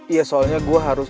ya soalnya gue harus